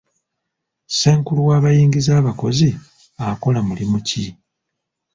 Ssenkulu w'abayingiza abakozi akola mulimu ki?